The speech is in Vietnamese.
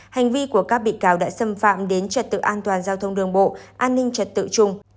hành vi của các bị cáo đã xâm phạm đến trật tự an toàn giao thông đường bộ an ninh trật tự trung